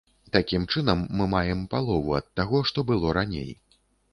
Такім чынам, мы маем палову ад таго, што было раней.